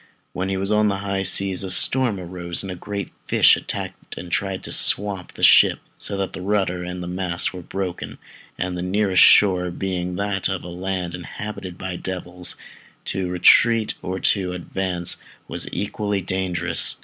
When he was on the high seas a storm arose, and a great fish attacked and tried to swamp the ship, so that the rudder and mast were broken, and the nearest shore being that of a land inhabited by devils, to retreat or to advance was equally dangerous.